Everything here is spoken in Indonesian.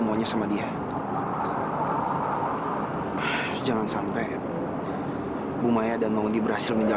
maka jika dipilih atau tidak